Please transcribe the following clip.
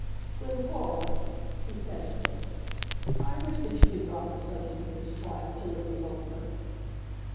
"Glencora," he said to her, "I wish that you could drop the subject of this trial till it be over."